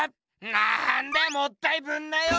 なんだよもったいぶんなよ！